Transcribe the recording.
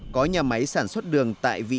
có nhà máy sản xuất đường tại vĩnh